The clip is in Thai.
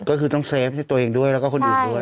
ก็คือต้องเซฟที่ตัวเองด้วยแล้วก็คนอื่นด้วย